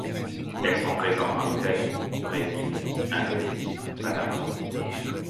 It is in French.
Elles sont présentes en Italie, Brésil, Indonésie, Panama.